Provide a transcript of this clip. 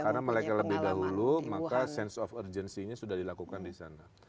karena mereka lebih dahulu maka sense of urgency nya sudah dilakukan di sana